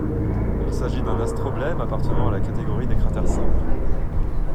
Il s'agit d'un astroblème appartenant à la catégorie des cratères simples.